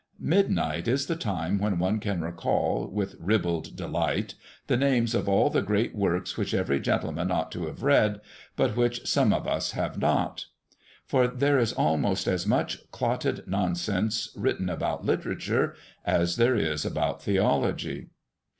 Midnight is the time when one can recall, with ribald delight, the names of all the Great Works which every gentleman ought to have read, but which some of us have not. For there is almost as much clotted nonsense written about literature as there is about theology.